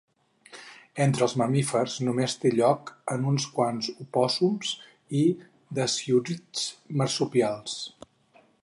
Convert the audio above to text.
Entre els mamífers només té lloc en uns quants opòssums i dasiúrids marsupials.